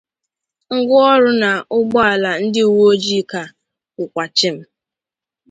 ngwaọrụ na ụgbọala ndị uweojii ka kwụkwà chịm